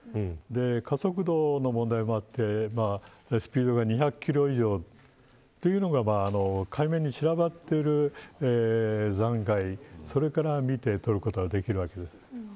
加速度の問題もあってスピードが２００キロ以上というのが海面に散らばっている残骸から見て取ることができます。